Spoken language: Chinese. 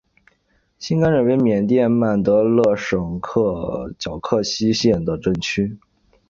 辛甘镇为缅甸曼德勒省皎克西县的镇区。